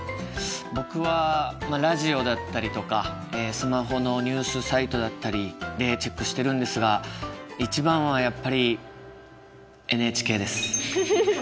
僕はラジオだったりとかスマホのニュースサイトだったりでチェックしてるんですが一番はやっぱりＮＨＫです。